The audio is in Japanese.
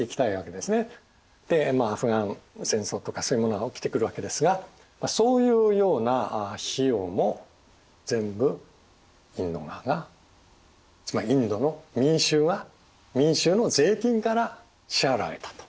でアフガン戦争とかそういうものが起きてくるわけですがそういうような費用も全部インド側がつまりインドの民衆が民衆の税金から支払われたと。